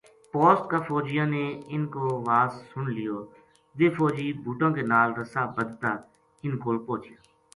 پوسٹ کا فوجیاں نے ان کو واز سن لیو ویہ فوجی بُوٹاں کے نال رساں بدھتا اِنھ کول پوہچیا